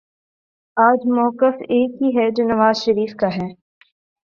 آج مؤقف ایک ہی ہے جو نواز شریف کا ہے